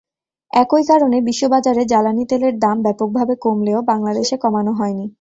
একই কারণে বিশ্ববাজারে জ্বালানি তেলের দাম ব্যাপকভাবে কমলেও বাংলাদেশে কমানো হয়নি।